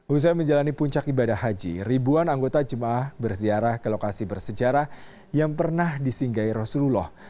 usai menjalani puncak ibadah haji ribuan anggota jemaah berziarah ke lokasi bersejarah yang pernah disinggahi rasulullah